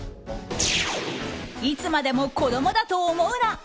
いつまでも子供だと思うな。